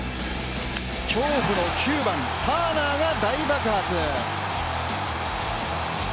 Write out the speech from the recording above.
恐怖の９番・ターナーが大爆発。